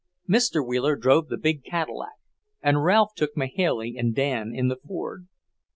Mr. Wheeler drove the big Cadillac, and Ralph took Mahailey and Dan in the Ford.